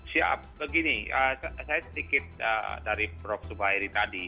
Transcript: siap begini saya sedikit dari prof zubairi tadi